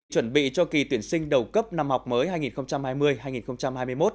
chuẩn bị cho kỳ tuyển sinh đầu cấp năm học mới hai nghìn hai mươi hai nghìn hai mươi một